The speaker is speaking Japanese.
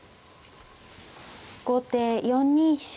後手４二飛車。